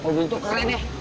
eh mobil itu keren ya